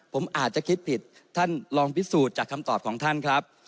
ผมอาจจะคิดผิดท่านลองพิสูจน์จากคำตอบของท่านครับ